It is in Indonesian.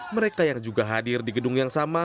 mereka yang juga hadir di gedung yang sama